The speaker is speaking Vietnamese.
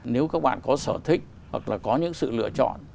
nếu các bạn có sở thích hoặc là có những sự lựa chọn